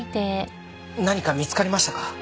何か見つかりましたか？